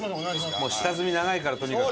もう下積み長いからとにかく。